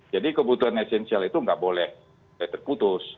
jadi kebutuhan esensial itu tidak boleh terputus